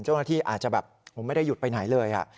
เจ้าหน้าที่อาจจะแบบผมไม่ได้หยุดไปไหนเลย